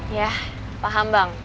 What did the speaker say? ya paham bang